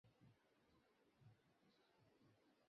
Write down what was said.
বেশ, তোলো।